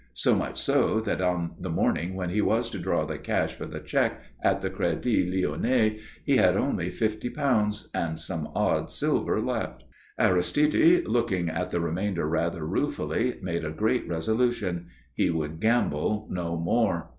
So much so that on the morning when he was to draw the cash for the cheque, at the Crédit Lyonnais, he had only fifty pounds and some odd silver left. Aristide looking at the remainder rather ruefully made a great resolution. He would gamble no more.